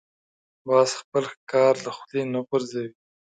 باز خپل ښکار له خولې نه غورځوي